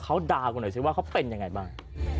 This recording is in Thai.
เขาดาวน์กันหน่อยสิว่าเขาเป็นยังไงบ้าง